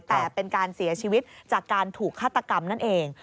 แต่เป็นการเสียชีวิตจากการถูกฆาตกรรมนั่นเอง